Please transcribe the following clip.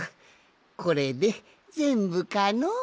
これでぜんぶかの？